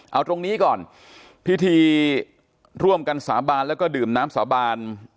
เอาตรงนี้ก่อนพิธีร่วมกันสาบานแล้วก็ดื่มน้ำสาบาน